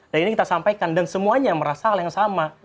dan ini kita sampaikan dan semuanya merasa hal yang sama